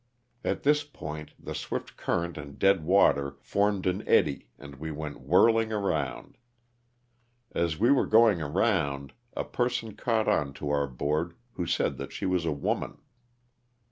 At this point the swift current and dead water formed an eddy and we went whirling around. As we were going around a person caught on to our board, who said that she was a woman.